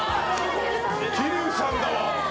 桐生さんだ！